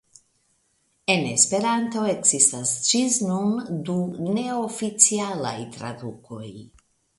En Esperanto ekzistas ĝis nun du neoficialaj tradukoj.